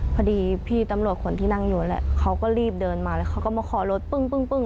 พอดีพี่ตำรวจคนที่นั่งอยู่นั่นแหละเขาก็รีบเดินมาแล้วเขาก็มาขอรถปึ้ง